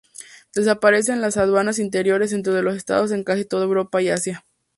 Desaparecen las aduanas interiores dentro de los estados en casi toda Europa y Asia.